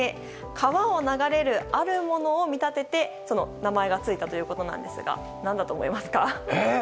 川を流れるあるものを見立ててその名前が付いたんですが何だと思いますか？